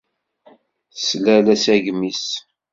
Teslal asagem-is.